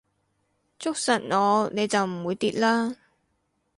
捉實我你就唔會跌啦